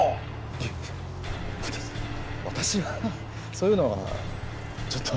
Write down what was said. いや私私はそういうのはちょっと。